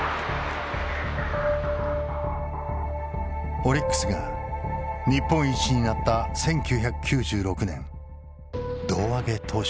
オリックスが日本一になった１９９６年胴上げ投手にもなった。